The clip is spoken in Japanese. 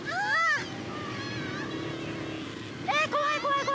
え怖い怖い怖い。